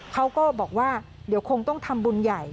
เขาก็บอกว่าเดี๋ยวคงต้องทำบุญใหญ่